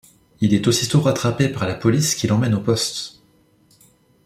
Il est aussitôt rattrapé par la police qui l'emmène au poste.